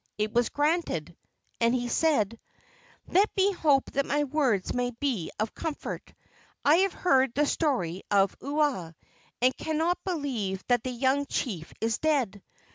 It was granted, and he said: "Let me hope that my words may be of comfort. I have heard the story of Ua, and cannot believe that the young chief is dead.